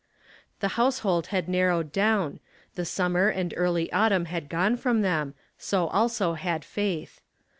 The household had narrowed down, the summer and early autumn had gone from them, so also had Faith.